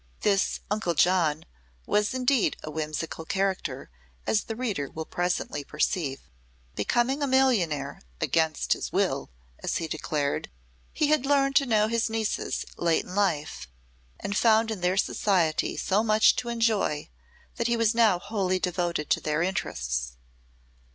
This "Uncle John" was indeed a whimsical character, as the reader will presently perceive. Becoming a millionaire "against his will," as he declared, he had learned to know his nieces late in life, and found in their society so much to enjoy that he was now wholly devoted to their interests.